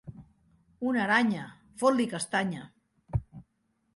Una aranya! —Fot-li castanya!